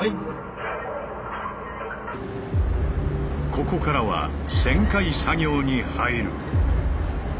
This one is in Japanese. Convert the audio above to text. ここからは旋回作業に入る。